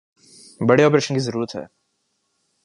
بڑے آپریشن کی ضرورت ہے